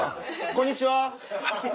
こんにちは。